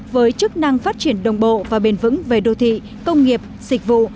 với chức năng phát triển đồng bộ và bền vững về đô thị công nghiệp dịch vụ